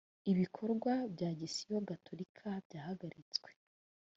ibikorwa by agisiyo gatholika byahagaritswe